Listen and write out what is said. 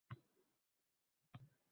Oyogʻi chang boʻlgan kishini bilardim.